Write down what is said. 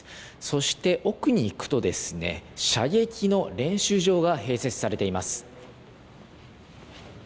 そして奥に行くと、射撃の練習場が併設されています。